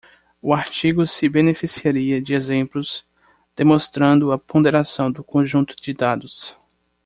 O artigo se beneficiaria de exemplos demonstrando a ponderação do conjunto de dados.